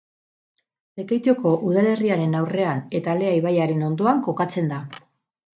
Lekeitioko udalerriaren aurrean eta Lea ibaiaren ondoan kokatzen da.